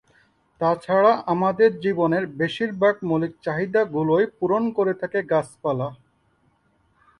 তাছাড়া আমাদের জীবনের বেশিরভাগ মৌলিক চাহিদাগুলোই পূরণ করে থাকে গাছপালা।